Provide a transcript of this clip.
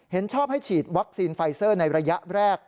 เห็นชอบให้ฉีดวัคซีนไฟเซอร์ในระยะแรก